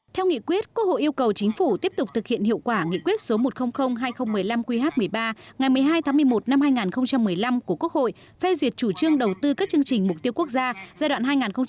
theo nghị quyết quốc hội yêu cầu chính phủ tiếp tục thực hiện hiệu quả nghị quyết số một trăm linh hai nghìn một mươi năm qh một mươi ba ngày một mươi hai tháng một mươi một năm hai nghìn một mươi năm của quốc hội phê duyệt chủ trương đầu tư các chương trình mục tiêu quốc gia giai đoạn hai nghìn một mươi sáu hai nghìn hai mươi